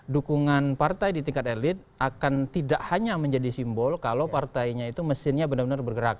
dukungan partai di tingkat elit akan tidak hanya menjadi simbol kalau partainya itu mesinnya benar benar bergerak